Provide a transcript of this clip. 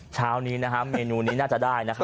เช้านี้นะครับเมนูนี้น่าจะได้นะครับ